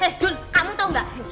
hei jun kamu tau gak